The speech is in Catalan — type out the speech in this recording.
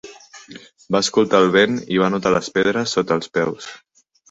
Va escoltar el vent i va notar les pedres sota els peus.